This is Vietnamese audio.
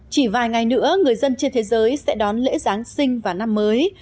chỉ vài ngày nữa người dân trên thế giới sẽ đón lễ giáng sinh và năm mới